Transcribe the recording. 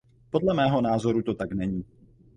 Podle mého názoru to tak není.